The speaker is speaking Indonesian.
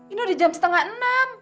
ini dari jam setengah enam